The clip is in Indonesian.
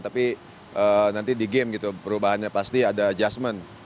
tapi nanti di game gitu perubahannya pasti ada adjustment